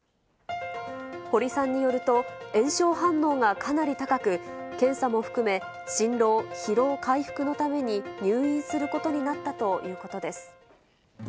堀さんによると、炎症反応がかなり高く、検査も含め、心労、疲労回復のために、入院することになったということです。